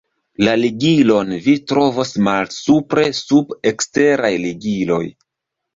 La ligilon vi trovos malsupre sub "Eksteraj ligiloj".